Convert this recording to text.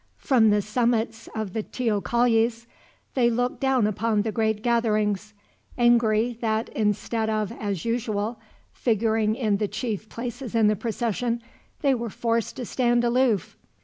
From the summits of the teocallis they looked down upon the great gatherings; angry that instead of, as usual, figuring in the chief places in the procession, they were forced to stand aloof.